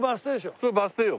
それバス停よ